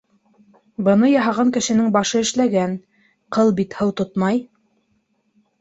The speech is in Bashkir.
Быны яһаған кешенең башы эшләгән: ҡыл бит һыу тотмай.